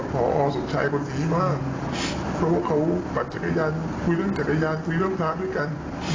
เพราะเขาปัดจักรยานคุยเรื่องจักรยานซื้อเรื่องร้านด้วยกัน